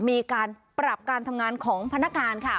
มีการปรับการทำงานของพนักงานค่ะ